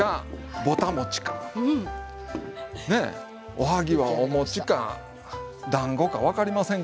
おはぎはお餅かだんごか分かりませんけどもね